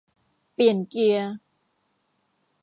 เปลี่ยนเกียร์